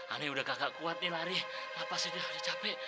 ani udah kagak kuat nih lari napas aja udah capek